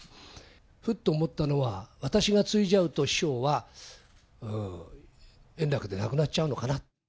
ふっと思ったのは、私が継いじゃうと、師匠は圓楽でなくなっちゃうのかな。